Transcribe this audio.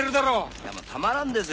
いやもうたまらんですよ